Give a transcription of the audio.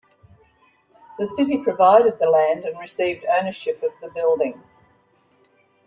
The city provided the land and received ownership of the building.